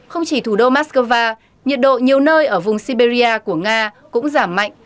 không chỉ thủ đô moscow nhiệt độ nhiều nơi ở vùng siberia của nga cũng giảm mạnh